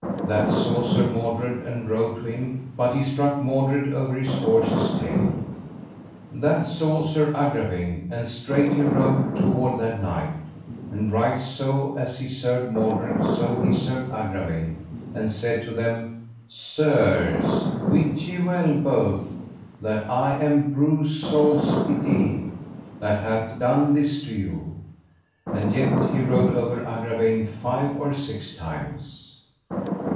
That saw Sir Mordred and rode to him, but he struck Mordred over his horse's tail. That saw Sir Agravaine, and straight he rode toward that knight, and right so as he served Mordred so he served Agravaine, and said to them: Sirs, wit ye well both that I am Breuse Saunce Pité, that hath done this to you. And yet he rode over Agravaine five or six times.